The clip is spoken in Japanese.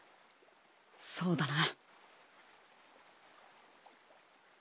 そうだな。